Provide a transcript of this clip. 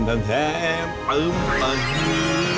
ทำแทบปึ้มตอนนี้